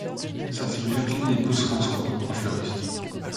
Sa fille Jacqueline épouse François, un fleuriste.